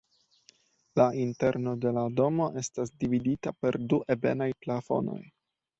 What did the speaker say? La interno de la domo estas dividita per du ebenaj plafonoj.